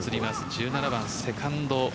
１７番セカンド。